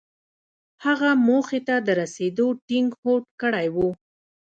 هغه موخې ته د رسېدو ټينګ هوډ کړی و.